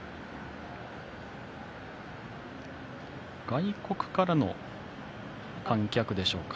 外国からの観客でしょうか。